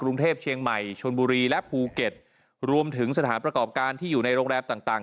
กรุงเทพเชียงใหม่ชนบุรีและภูเก็ตรวมถึงสถานประกอบการที่อยู่ในโรงแรมต่างต่าง